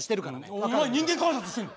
お前人間観察してんの？